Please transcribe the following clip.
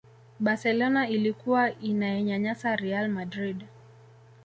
barcelona ilikuwa inainyanyasa real madrid